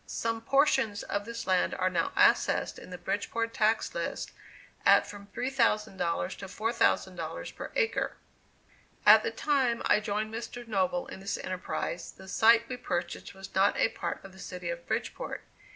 Some portions of this land are now assessed in the Bridgeport tax list at from $3,000 to $4,000 per acre. At the time I joined Mr. Noble in this enterprise, the site we purchased was not a part of the City of Bridgeport.